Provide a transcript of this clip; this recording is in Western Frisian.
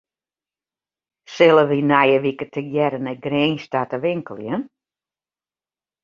Sille wy nije wike tegearre nei Grins ta te winkeljen?